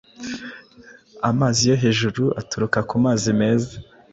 Amazi yo hejuru aturuka kumazi meza